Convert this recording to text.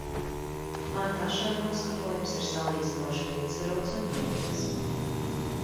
Man pašai noskaņojums ir salīdzinoši līdzsvarots un mierīgs.